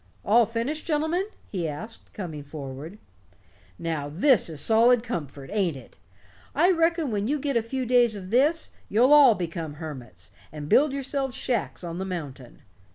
"All finished, gentlemen?" he asked, coming forward. "Now, this is solid comfort, ain't it? I reckon when you get a few days of this, you'll all become hermits, and build yourselves shacks on the mountain.